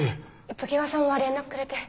常葉さんが連絡くれて。